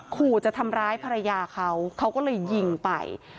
ขู่จะทำร้ายภรรยาเขาเขาก็เลยยิงไป